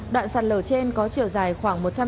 đoạn sàn lở trên có chiều dài khoảng một trăm linh km